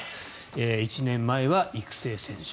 １年前は育成選手。